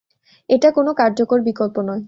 এটা কোনো কার্যকর বিকল্প নয়।